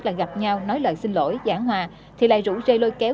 là gặp nhau nói lời xin lỗi giả hòa thì lại rủ dây lôi kéo